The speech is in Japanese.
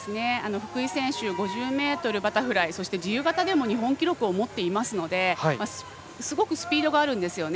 福井選手、５０ｍバタフライそして自由形でも日本記録を持っていますのですごくスピードがあるんですね。